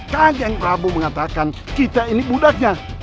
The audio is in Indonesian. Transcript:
kan yang prabu mengatakan kita ini budaknya